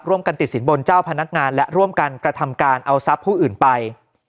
กันติดสินบนเจ้าพนักงานและร่วมกันกระทำการเอาทรัพย์ผู้อื่นไป